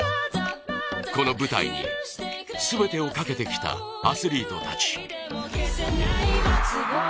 この舞台に全てをかけてきたアスリートたち。